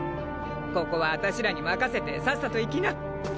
ここは私らに任せてさっさと行きな。